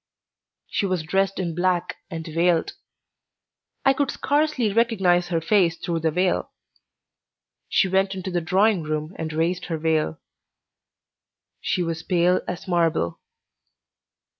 She was dressed in black and veiled. I could scarcely recognise her face through the veil. She went into the drawing room and raised her veil. She was pale as marble.